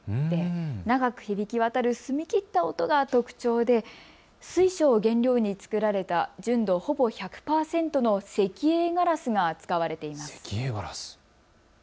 長く響きわたる澄み切った音が特徴で水晶を原料に作られた純度ほぼ１００％の石英ガラスが使われています。